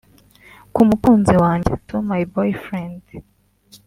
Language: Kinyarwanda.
Ku mukunzi wanjye (To my Boyfriend)